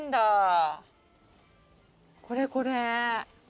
これこれ。